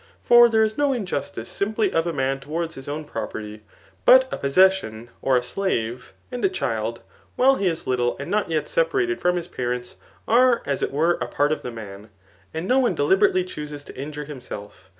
For there is no injustice simpty of a man towards his own property ; but a posses sion {pr a slave], and a child, while he is little and not yet separated from his parents, are as it were a part of the man. And no one deliberately chooses to injure himself.